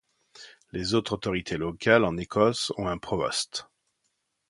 Les autres autorités locales en Écosse ont un Provost.